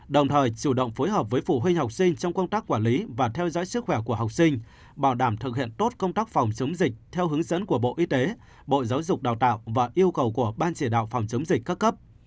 đồng thời chủ động phối hợp với phụ huynh học sinh trong công tác quản lý và theo dõi sức khỏe của học sinh bảo đảm thực hiện tốt công tác phòng chống dịch theo hướng dẫn của bộ y tế bộ giáo dục đào tạo và yêu cầu của ban chỉ đạo phòng chống dịch các cấp